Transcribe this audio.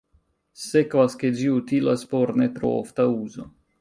Sekvas, ke ĝi utilas por ne tro ofta uzo.